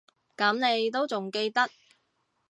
噉你都仲記得